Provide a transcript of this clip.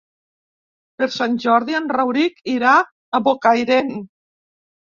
Per Sant Jordi en Rauric irà a Bocairent.